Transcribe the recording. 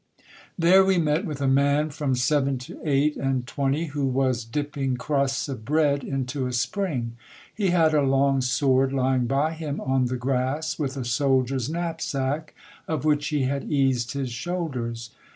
There we met with a man from seven to eight and twenty, who was (lipping crusts of bread into a spring. He had a long sword lying by him on the grass, with a soldier's knapsack, of which he had eased his shoulders.